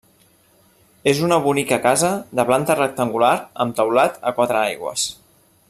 És una bonica casa de planta rectangular amb teulat a quatre aigües.